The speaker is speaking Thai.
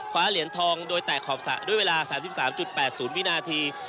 เหรียญทองโดยแตกขอบสระด้วยเวลา๓๓๘๐วินาที